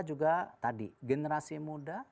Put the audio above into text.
juga tadi generasi muda